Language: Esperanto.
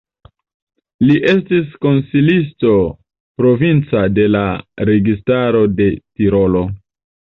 Li estis konsilisto provinca de la registaro de Tirolo.